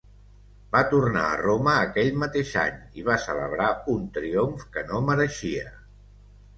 Va tornar a Roma aquell mateix any i va celebrar un triomf que no mereixia.